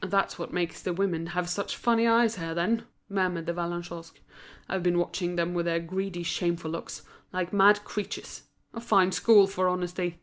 "That's what makes the women have such funny eyes here, then," murmured De Vallagnosc; "I've been watching them with their greedy, shameful looks, like mad creatures. A fine school for honesty!"